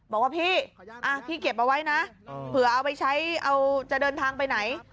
บอกว่าพี่พี่เก็บเอาไว้นะเผื่อเอาไปใช้เอาจะเดินทางไปไหน